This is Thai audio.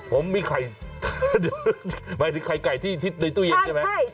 ผมมีไข่หมายถึงไข่ไก่ที่ในตู้เย็นใช่ไหม